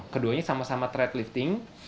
keduanya sama sama thread lifting